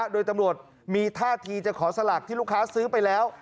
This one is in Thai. โดยตำรวจมีท่าทีจะขอสลากที่ลูกค้าซื้อไปแล้ว